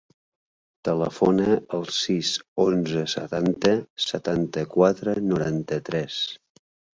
Telefona al sis, onze, setanta, setanta-quatre, noranta-tres.